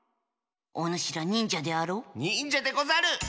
おぬしらにんじゃであろう？にんじゃでござる！